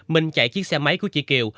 minh chạy chiếc xe máy của chị kiều